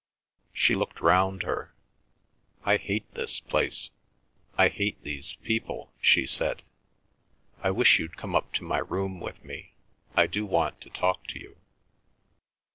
She looked round her. "I hate this place. I hate these people," she said. "I wish you'd come up to my room with me. I do want to talk to you."